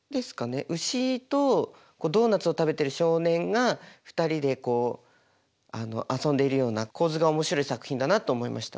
牛とドーナツを食べている少年が２人でこう遊んでいるような構図が面白い作品だなと思いました。